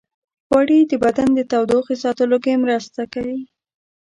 غوړې د بدن د تودوخې ساتلو کې مرسته کوي.